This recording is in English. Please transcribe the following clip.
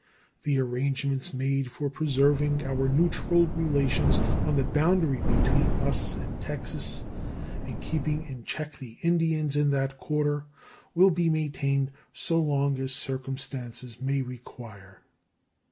The arrangements made for preserving our neutral relations on the boundary between us and Texas and keeping in check the Indians in that quarter will be maintained so long as circumstances may require.